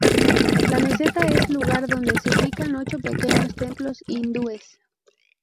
La meseta es el lugar donde se ubican ocho pequeños templos hindúes.